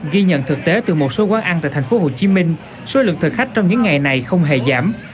ghi nhận thực tế từ một số quán ăn tại thành phố hồ chí minh số lượng thực khách trong những ngày này không hề giảm